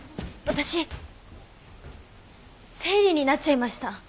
私生理になっちゃいました。